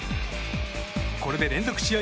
これで、連続試合